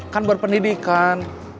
kan buat pendidikan